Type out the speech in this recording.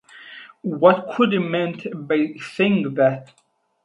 What could he meant by saying that?